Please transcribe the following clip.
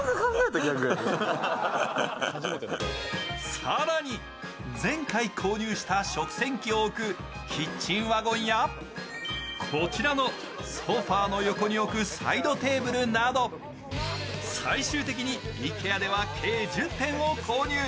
更に、前回購入した食洗機を置くキッチンワゴンやこちらのソファーの横に置くサイドテーブルなど最終的にイケアでは計１０点を購入。